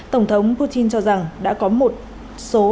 tổng thống putin cho rằng đã có một số